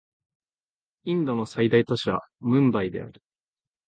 インドの最大都市はムンバイである